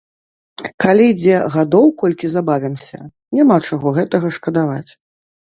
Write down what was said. Калі дзе гадоў колькі забавімся, няма чаго гэтага шкадаваць.